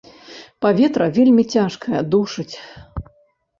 Паветра вельмі цяжкае, душыць.